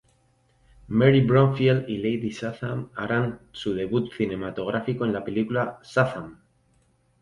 Mary Bromfield y Lady Shazam harán su debut cinematográfico en la película "Shazam!